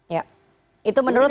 ya itu menurut